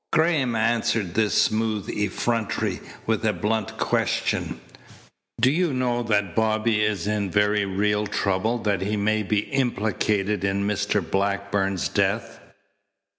Graham answered this smooth effrontery with a blunt question. "Do you know that Bobby is in very real trouble, that he may be implicated in Mr. Blackburn's death?"